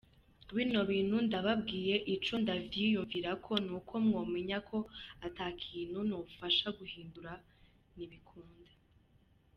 Bino bintu ndababwiye ico ndavyiyumvirako nuko mwomenya ko ata kintu nofasha guhindura? Ntibikunda.